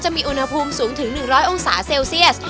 มีอุณหภูมิสูงถึง๑๐๐องศาเซลเซียส